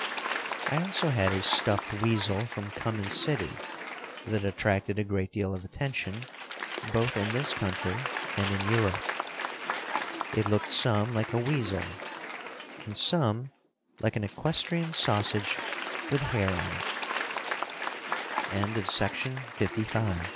I also had a stuffed weasel from Cummins City that attracted a great deal of attention, both in this country and in Europe. It looked some like a weasel and some like an equestrian sausage with hair on it. The Ways of Doctors. "There's a big differe